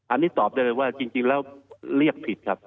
อันนี้ตอบได้เลยว่าจริงแล้วเรียกผิดครับ